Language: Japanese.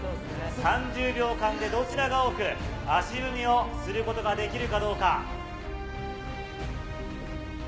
３０秒間でどちらが多く足踏みをすることができるかどうか。